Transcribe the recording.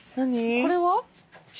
これは？